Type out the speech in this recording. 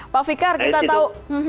pak fikar kita tahu